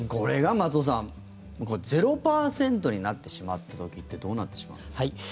松尾さん０％になってしまった時ってどうなってしまうんですか？